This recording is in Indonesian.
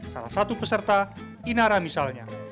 salah satu peserta inara misalnya